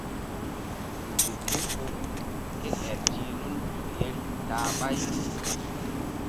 Nzuk ké hu ké el ti̧h nun nzuk yeri ta-a ɓáy.